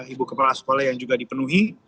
ibu kepala sekolah yang juga dipenuhi